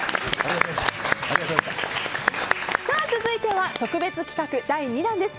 続いては特別企画第２弾です。